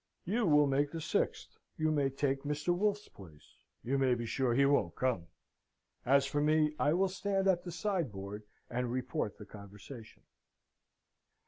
You will make the sixth. You may take Mr. Wolfe's place. You may be sure he won't come. As for me, I will stand at the sideboard and report the conversation.